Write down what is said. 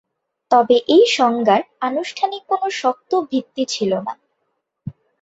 তবে এই সংজ্ঞার আনুষ্ঠানিক কোন শক্ত ভিত্তি ছিল না।